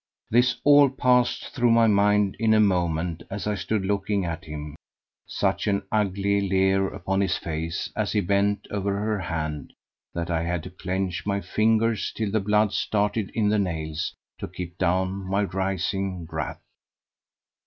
This all passed through my mind in a moment as I stood looking at him, such an ugly leer upon his face as he bent over her hand that I had to clench my fingers till the blood started in the nails to keep down my rising wrath.